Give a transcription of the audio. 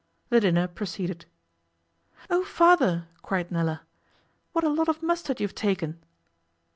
The dinner proceeded. 'Oh, Father!' cried Nella, 'what a lot of mustard you have taken!